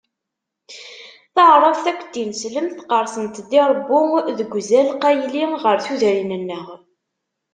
Taɛrabt akked tineslemt qqeṛsen-d i Ṛebbu deg uzal qayli ɣer tudrin-nneɣ.